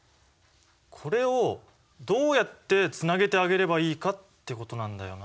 これをどうやってつなげてあげればいいかってことなんだよなあ。